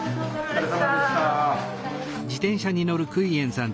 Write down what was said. お疲れさまでした。